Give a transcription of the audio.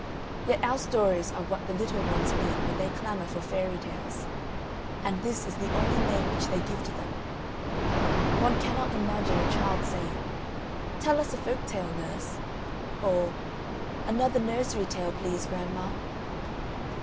Yet our stories are what the little ones mean when they clamour for "Fairy Tales," and this is the only name which they give to them. One cannot imagine a child saying, "Tell us a folk tale, nurse," or "Another nursery tale, please, grandma."